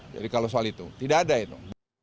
kalau soal itu tidak ada itu